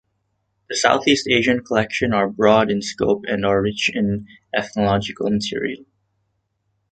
The Southeast Asian collections are broad in scope and are rich in ethnological material.